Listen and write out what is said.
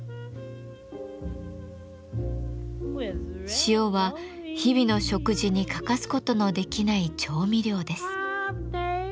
塩は日々の食事に欠かすことのできない調味料です。